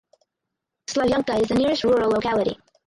Slavyanka is the nearest rural locality.